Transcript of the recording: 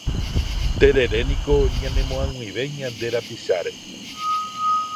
Tereréniko ñanemo'ag̃uive ñande rapicháre.